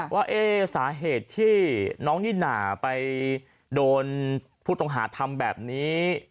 ว่าสาเหตุที่น้องนิน่าไปโดนผู้ต้องหาทำแบบนี้